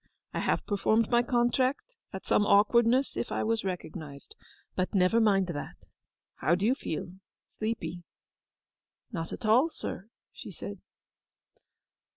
I have performed my contract—at some awkwardness, if I was recognized. But never mind that. How do you feel—sleepy?' 'Not at all, sir,' she said.